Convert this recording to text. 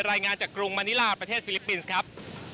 รายงานจากกรุงมานิลาประเทศฟิลิปปินส์ครับ